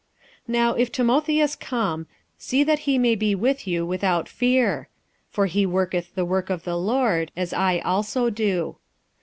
46:016:010 Now if Timotheus come, see that he may be with you without fear: for he worketh the work of the Lord, as I also do.